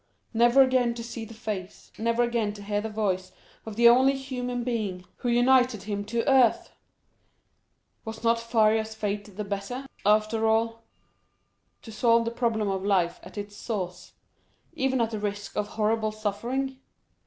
—never again to see the face, never again to hear the voice of the only human being who united him to earth! Was not Faria's fate the better, after all—to solve the problem of life at its source, even at the risk of horrible suffering?